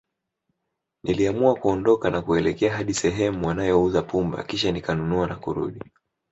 Niliamua kuondoka na kuelekea hadi sehemu wanayouza pumba Kisha nikanunua na kurudi